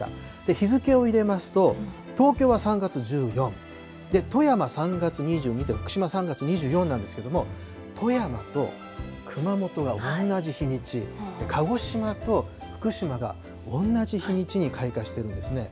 日付を入れますと、東京は３月１４、富山３月２２、福島３月２４なんですけれども、富山と熊本は同じ日にち、鹿児島と福島がおんなじ日にちに開花しているんですね。